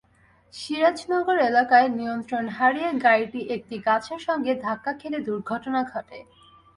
সিরাজনগর এলাকায় নিয়ন্ত্রণ হারিয়ে গাড়িটি একটি গাছের সঙ্গে ধাক্কা খেলে দুর্ঘটনা ঘটে।